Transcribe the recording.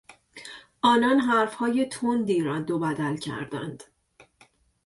آنان حرفهای تندی ردوبدل کردند.